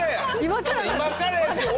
今からや！